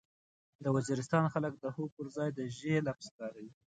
د وزيرستان خلک د هو پرځای د ژې لفظ کاروي.